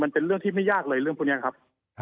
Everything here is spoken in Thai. มันเป็นเรื่องที่ไม่ยากเลยเรื่องพวกนี้ครับ